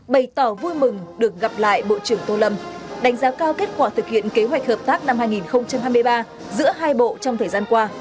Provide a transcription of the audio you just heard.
bày tỏ vui mừng được gặp lại bộ trưởng tô lâm đánh giá cao kết quả thực hiện kế hoạch hợp tác năm hai nghìn hai mươi ba giữa hai bộ trong thời gian qua